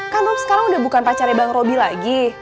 kan rum sekarang udah bukan pacarnya bang robby lagi